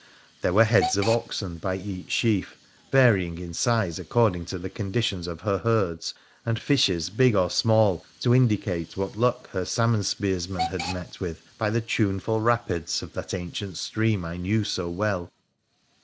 There were heads of oxen by each sheaf, varying in size according to the conditions of her herds, and fishes, big or small, to indicate what luck her salmon spearsmen had met with by the tuneful rapids of that ancient stream I knew so well.